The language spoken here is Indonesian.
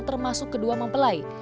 termasuk kedua mempelai